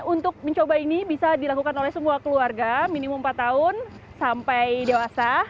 untuk mencoba ini bisa dilakukan oleh semua keluarga minimum empat tahun sampai dewasa